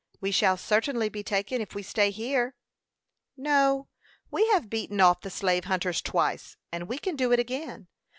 "We shall certainly be taken if we stay here." "No; we have beaten off the slave hunters twice, and we can do it again.